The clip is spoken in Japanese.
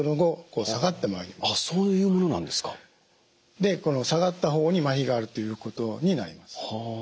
で下がった方にまひがあるということになります。